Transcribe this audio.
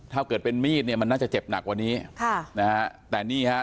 ถ้าเกิดเป็นมีดเนี่ยมันน่าจะเจ็บหนักกว่านี้ค่ะนะฮะแต่นี่ฮะ